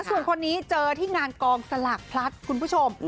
ส่วนคนนี้เจอที่งานกองสลากพลัดคุณผู้ชม